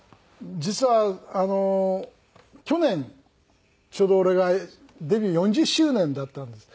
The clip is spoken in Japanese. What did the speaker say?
実はあの去年ちょうど俺がデビュー４０周年だったんです。